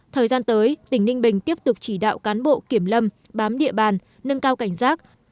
thời gian tới tỉnh ninh bình tiếp tục chỉ đạo cán bộ kiểm lâm bám địa bàn nâng cao cảnh giác